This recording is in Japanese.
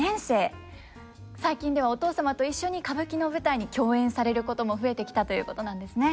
最近ではお父様と一緒に歌舞伎の舞台に共演されることも増えてきたということなんですね。